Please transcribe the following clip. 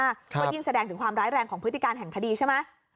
ซึ่งมีหลักฐานมากก็ยิ่งแสดงถึงความร้ายแรงของพฤติการแห่งพระดีใช่ไหม